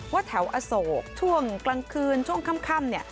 ว่าแถวอโศกช่วงกลางคืนช่วงค่ำ